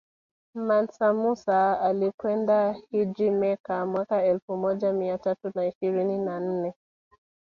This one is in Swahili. Mansa Musa alikwenda hijja Mecca mwaka elfu moja mia tatu na ishirini na nne